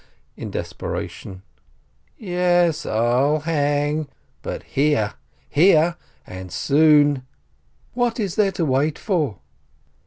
(in desperation). "Yes, I'll hang, but here, here! And soon ! What is there to wait for?"